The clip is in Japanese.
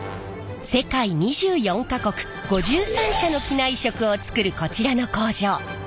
世界２４か国５３社の機内食を作るこちらの工場。